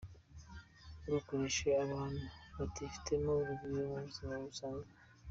Ntugakoreshe abantu batifitemo urugwiro mu buzima busanzwe.